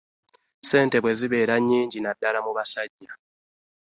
Ssente bwe zibeera nnyingi nnaddala mu basajja